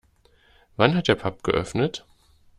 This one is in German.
Wann hat der Pub geöffnet?